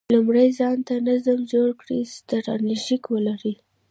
لومړی ځان ته نظم جوړ کړه، ستراتیژي ولره،